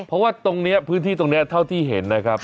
เพราะว่าตรงนี้พื้นที่ตรงนี้เท่าที่เห็นนะครับ